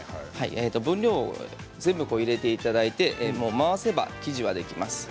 分量を全部入れていただいて回せば生地はできます。